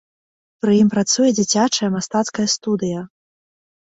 Пры ім працуе дзіцячая мастацкая студыя.